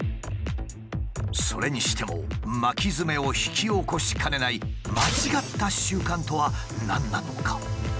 それにしても巻きヅメを引き起こしかねない間違った習慣とは何なのか？